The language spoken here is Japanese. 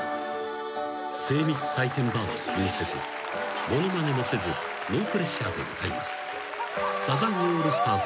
［精密採点バーを気にせずものまねもせずノープレッシャーで歌います］